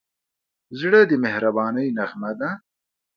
زړه د مهربانۍ نغمه ده.